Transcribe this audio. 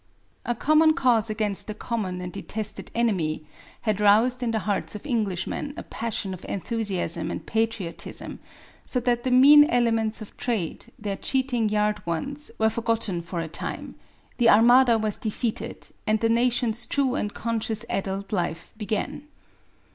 A common cause against a common and detested enemy had roused in the hearts of Englishmen a passion of enthusiasm and patriotism; so that the mean elements of trade, their cheating yard wands, were forgotten for a time; the Armada was defeated, and the nation's true and conscious adult life began.